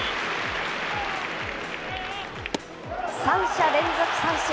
３者連続三振。